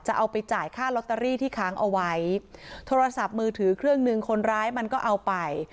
เอาไปจ่ายค่าลอตเตอรี่ที่ค้างเอาไว้โทรศัพท์มือถือเครื่องหนึ่งคนร้ายมันก็เอาไป